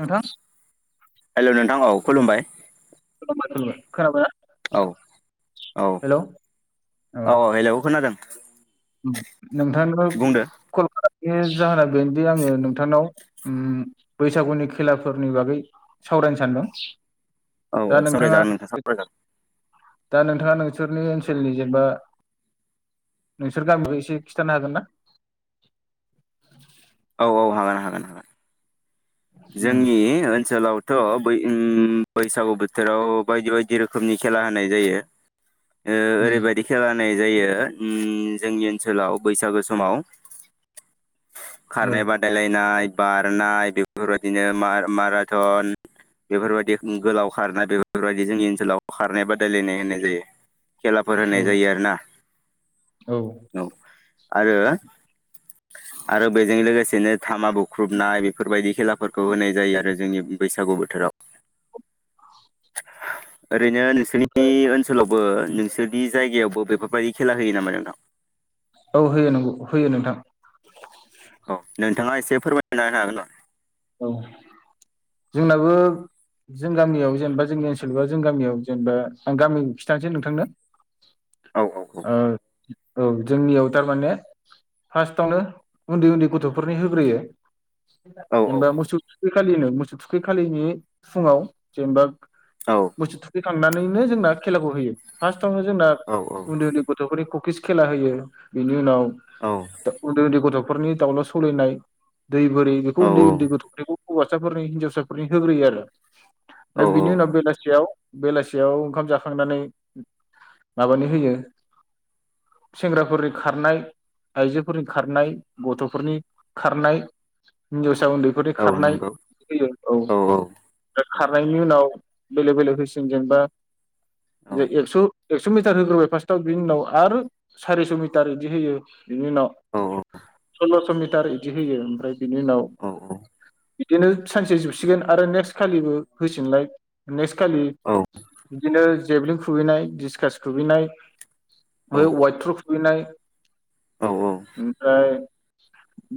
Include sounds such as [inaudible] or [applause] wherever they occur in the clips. नोंथां हेलौ नोंथां औ खुलुमबाय। खुलुमबाय खुलुमबाय ‌। खोनाबाय ना? औ औ औ हेलौ खोनादों। ओम नोंथांनो बुंदो कल खालाम बे जाहोना बेनोदि आंङो नोंथांनाव ओम बैसागुनि खेलाफोरनि बागै सावरायनो सानदों। औ दा औ नोंथाङा सावरायजागोन नोंथां सावरायजागोन दा नोंथाङा नोंसोरनि ओनसोलनि जेनबा नोंसोर गामिखौ एसे खिथानो हागोन ना? औ औ हागोन हागोन हागोन। उम जोंनि ओनसोलावथ' बै ओम बैसागु बोथोराव बायदि बायदि रोखोमनि खेला होनाय जायो। ओ उम ओरैबायदि खेला नाय जायो ओम जोंनि ओनसोलाव बैसागु समाव औ खारनाय बादायलायनाय बारनाय बे फोरबायदिनो मार-माराथन बेफोरबायदि ओ गोलाव खारनाय बेफोरबायदि जोंनि ओनसोलाव खारनाय बादायलायनाय होननाय जायो। खेलाफोर औ होनाय जायो आरोना औ आरो आरो बेजों लोगोसे बिदिनो थामा बुख्रुबनाय बेफोरबायदि खेलाफोरखौ होनाय जायो आरो जोंनि बैसागु बोथोराव [inaudible] ओरैनो नोंसोरनि ओमफ्राय ओनसोलाव ओ नोंसोरनि जायगायावबो बेफोरबायदि खेला होयो नामा नोंथां? औ होयो नंगौ होयो नोंथां। औ नों थाङा एसे फोरमायना होनो हागोन नामा औ जोंनाबो जों गामियाव जेनेबा जोंनि ओनसोलबा जों गामियाव जेनेबा आं गामि खिथानोसै नोंथांनो औ औ औ ओ औ जोंनियाव टारमाने फारसटावनो उन्दै उन्दै गथ'फोरनि होग्रोयो औ जेनबा मोसौ खालिनो मोसौ थुखै खालिनि फुङाव जेनेबा औ मोसौ थुखै खांनानैनो जोंना खेलाखौ होयो फास थावनो जोंना औ उन्दै उन्दै गथ'फोरनिखौ किस खेला होयो बिनि उनाव औ उन्दै उन्दै गथ'फोर फोरनि दाउला सौलायनाय दै बोरि औ उन्दै उन्दै गथ'फोरनिखौ हौवासाफोरनि हिनजावसाफोरनि होग्रोयो आरो औ फ्राय बिनि उनाव बेलासेयाव बेलासियाव ओंखाम जाखांनानै माबानि होयो सेंग्राफोरनि खारनाय आइजोफोरनि खारनाय गथ'फोरनि खारनाय हिनजाव सा उन्दैफोरनि औ खारनाय नंगौ होयो औ दा खारनायनि उनाव बेलेग बेलेग होसिनगोन बा जे एकस' एक्स' मिटार होग्रोबाय फार्स्टआव बिनि उनाव आरो सारिस' मिटार बिदि होयो बिनि उनाव औ सललस' मिटार टार इदि होयो ओमफ्राय बिनि उनाव औ औ बिदिनो सानसे जोबसिगोन आरो खालिबो होसिगोनलाय। खालि बिदिनो जेभलिं खुबैनाय दिडिसकास खुबैनाय औ बे अवड्र खुबैनाय। ओमफ्राय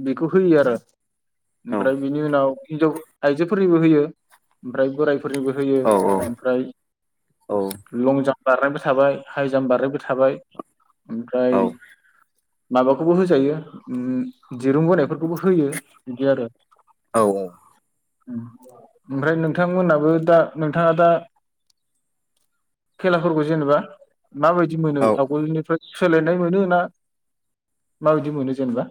बेखौ होयो आरो ओमफ्राय बिनि उनाव हिनजाव आइजोफोरनिबो होयो ओमफ्राय बोराय फोरनिबो होयो ओमफ्राय लंजाम बारनायबो थाबाय हाइ जाम्प बारनायबो थाबाय। ओमफ्राय माबाखौबो होजायो ओम दिरुं बो नायफोरखौबो है इदि आरो औ ओमफ्राय नोंथांमोनाबो दा नोंथाङा दा खेलाफोरखौ जेनेबा माबायदि मोनो औ आवगोलनिफ्राय सोलायनाय मोनो ना माबायदि मोनो जेनेबा?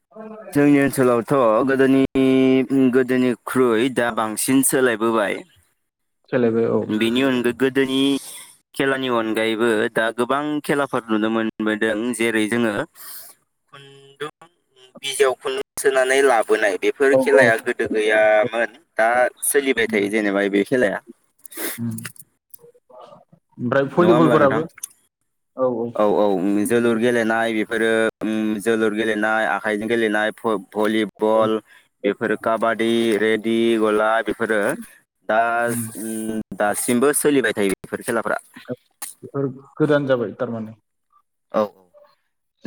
[unintelligible] थ' गोदोनि गोदोनि खुरैइ दा बांसिन सोलाय बोबाय। सोलायबाय औ बेनि अनगाय गोदोनि खेलानि अनगायैबो दा गोबां खेलाफोर नुनो मोनबोदों जेरै जोङो खुन्दुं बिजियाव खुन्दुं सोनानै लाबोनाय। औ बेफोर औ खेलाया गोदो गैया मोन। दा सोलिबाय थायो जेनेबा बे खेलाया। उम ओमफ्राय नङा होमब्ला भलिबलफोराबो। नोंथां औ औ जोलुर गेलेनाय बेफोरो ओम जोलुर गेलेनाय आखाइजों गेलेनाय फु औ भलिबल बेफोरो काबादि बेदि गला बेफोरो दा उम। ओम दासिमबो सोलिबाय थायो बेफोर खेलाफोरा बेफोर गोदान जाबाय तारमाने औ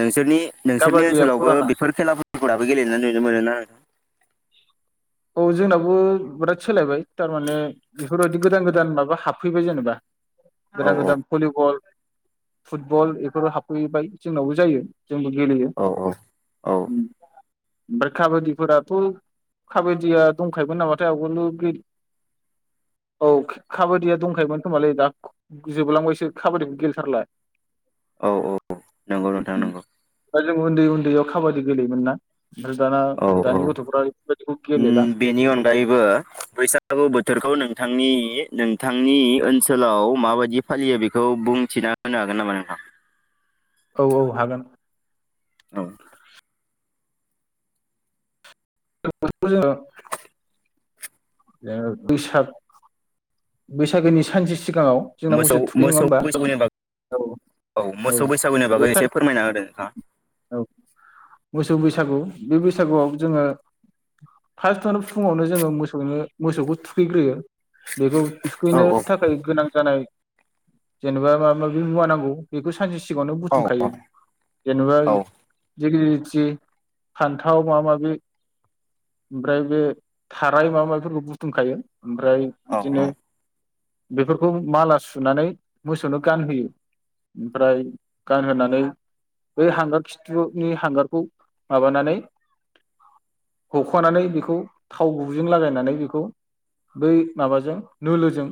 नोंसोरनि नोंसोरनि काबादिया ओनसोलावबो फुराना बेफोर खेलाफो फोराबो गेलेनानै नुनो मोनो ना औ जोंनावबो बिराद सोलायबाय तारमाने बेफोरबायदि गोदान गोदान माबा हाबफैबाय जेनेबा औ गोदान गोदान भलिबल फुटबल बेफोर हाबफैबाय जोंनावबो जायो। जोंबो गेलेयो औ औ बोर खाबादिफोराथ काबादिया दंखायोमोन नामाथाय आवगोल' औ काबादिया दंखायोमोन होनोमबालै दा जोबलांबायसो खाबादिखौ गेलेथारला। औ औ नंगौ नोंथां नंगौ। दा जों उन्दै उन्दैयाव खाबादि गेलेयोमोन ना? ओरो दाना औ औ दानि गथ'फ्रा गेलेला उम बेनि अनगायैबो बैसागु बोथोरखौ नोंथां आंनि नोंथांनि ओनसोलाव माबायदि फालियो बेखौ बुंथिना होनो हागोन नामा नोंथां? औ औ हागोन। औ [unintelligible] ओ बैसाग बैसागोनि सानसे सि मोसौ मोसौ बैसागुनि बागै औ औ मोसौ बैसागुनि बे बागै सान एसे फोरमायना होदों नोंथाङा औ मोसौ बैसागु बे बैसागुआव जोङो फास्टआव फुङावनो जोङो मोसौनो मोसौखौ थुखैग्रोयो। बेखौ थुखैनो औ थाखाय गोनां जानाय। जेनेबा माबा माबि मुवा नांगौ बेखौ सानसे सि सिगाङावनो औ बुथुमखायो जेनेबा औ दिग्लिलिथि फान्थाव माबा माबि ओमफ्राय बे थाराय माबा माबिफोरखौ बुथुमखायो ओमफ्राय औ बिदिनो औ बेफोरखौ माला सुनानै मोसौनो गानहोयो ओमफ्राय गानहोनानै बै हांगार खिथुनि हांगारखौ माबानानै हख'नानै बेखौ थाव गुबैजों लागायनानै बेखौ बै माबाजों नोलोजों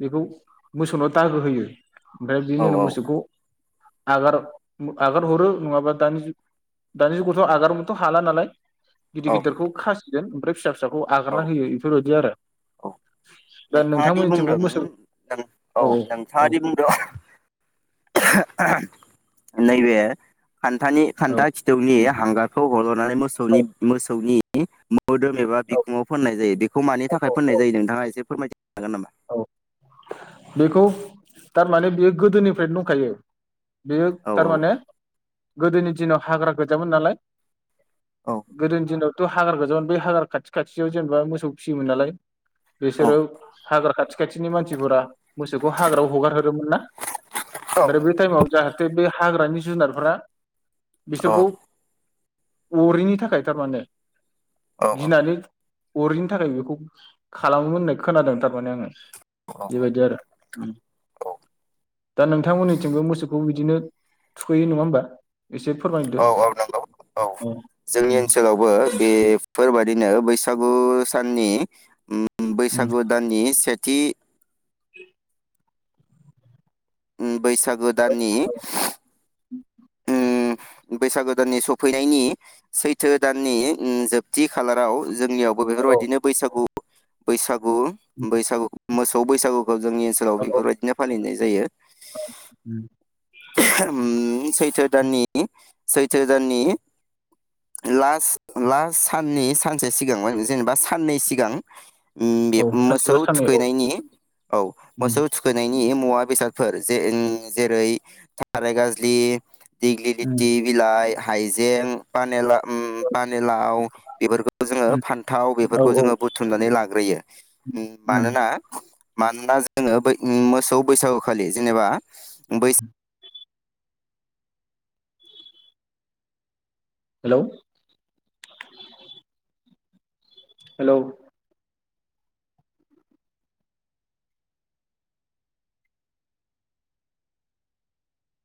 बेखौ मोसौनाव दागो होयो। ओमफ्राय बिदिनि उनाव मोसौखौ आगार आगार हरो नङाबा दानि जुग दानि जुगावथ' आगार हरनोथ' हाला नालाय। गिदिर औ गिदिरखौ खास गोन ओमफ्राय फिसा खौ आगारना होयो इफोरबायदि आरो दा नोंथाङादि नोंथांमोननिथिंबो बुंदों मोसौ औ औ नोंथाङादि बुंदों नैबे खान्थानि औ खान्था खिथौनि हांगारखौ हल' नानै मोसौनि मोसौनि मा मोदोम एबा बिखुंआव फोननाय जायो बेखौ मानि औ थाखाय फोननाय औ जायो नोंथाङा एसे फोरमायथि जागोन नामा औ बेखौ थारमाने बेयो गोदोनिफ्रायनो दंखायो बेयो औ तारमाने गोदोनि दिनाव हाग्रा गोजामोन नालाय औ गोदनि दिनाव थ' हाग्रा गोजामोन बै हाग्रा खाथि खाथियाव जेनेबा मोसौ फिसियोमोन नालाय बिसोरो हाग्रा खाथि खाथिनि मानसिफोरा मोसौखौ हाग्रायाव हगारहरोमोन ना औ ओमफ्राय बै टाइमाव जाहाथे बे हाग्रानि जुनारफोरा औ बिसोरखौ अरनि थाखाय थारमाने औ गिनानै अरनि थाखाय बेखौ खालामो मोन होननाय खोनादों तारमाने आङो औ बेबायदि आरो दा नोंथांमोननिथिंबो मोसौखौ बिदिनो थुखैयो नङा होमबा एसे फोरमायदो औ औ नंगौ औ औ जोंनि उम ओनसोलावबो बेफोर बायदिनो बैसा गु साननि उम बैसागु दाननि से थि उम बैसागो दाननि उम बैसागो दाननि सौफैनायनि सैथो दाननि उम जोबथि खालाराव जोंनियावबो औ बेफोरबायदिनो बैसागु बैसागु बैसागु मोसौ बैसागु जोंनि ओनसोलाव औ बेफोरबायदिनो फालिनाय जायो उम ओम सैथो दाननि नि सैथो दाननि लास लास साननि सानसे सिगां जेनेबा साननै सिगां उम बे औ मोसौ सानसेबा साननै औ थुखैनायनि औ उम मोसौ थुखैनायनि मुवा बेसादफोर जे उम जेरै थाराय गाजलि दिग गिथि उम बिलाइ हाइजें पानेला उम औ पानेलाव बेफोरखौ जोङो उम फान्थाव औ बेफोरखौ औ जोङो उम बुथुमनानै लाग्रोयो मानोना मानोना जोङो बो उम मोसौ बैसागु खालि जेनेबा बैसा hello hello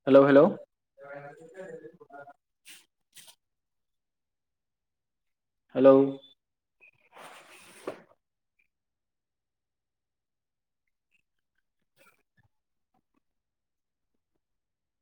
hello hello hello